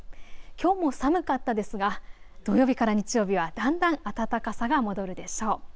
きょうも寒かったですが土曜日から日曜日はだんだん暖かさが戻るでしょう。